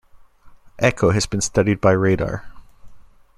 Echo has been studied by radar.